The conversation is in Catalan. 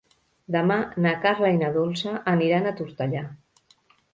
Demà na Carla i na Dolça aniran a Tortellà.